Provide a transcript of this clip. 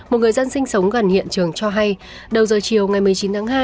một người dân sinh sống gần hiện trường cho hay đầu giờ chiều ngày một mươi chín tháng hai